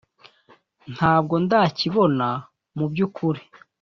ntabwo ndakibona mu byukuri